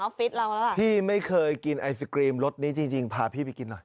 ฟิศเราแล้วอ่ะพี่ไม่เคยกินไอศกรีมรสนี้จริงจริงพาพี่ไปกินหน่อย